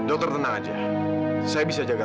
aku akan framalkannya lagi lagi teman teman